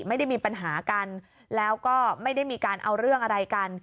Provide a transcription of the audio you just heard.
ไม่ได้มีปัญหากันแล้วก็ไม่ได้มีการเอาเรื่องอะไรกัน